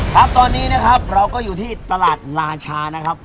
ครับตอนนี้นะครับเราก็อยู่ที่ตลาดราชานะครับ